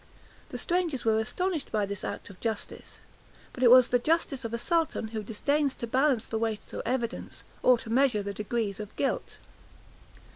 The strangers were astonished by this act of justice; but it was the justice of a sultan who disdains to balance the weight of evidence, or to measure the degrees of guilt.